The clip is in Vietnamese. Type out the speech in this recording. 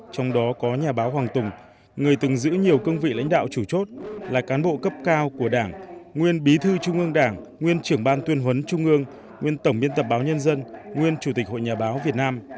trong đó có nhà báo hoàng tùng người từng giữ nhiều cương vị lãnh đạo chủ chốt là cán bộ cấp cao của đảng nguyên bí thư trung ương đảng nguyên trưởng ban tuyên huấn trung ương nguyên tổng biên tập báo nhân dân nguyên chủ tịch hội nhà báo việt nam